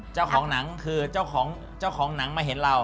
เจ้าของหนังคือเจ้าของเจ้าของหนังมาเห็นเรา